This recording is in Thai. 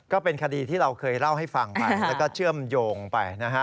ก็เป็นคดีที่เราเคยเล่าให้ฟังไปแล้วก็เชื่อมโยงไปนะฮะ